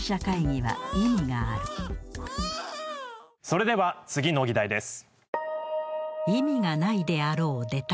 それでは次の議題です。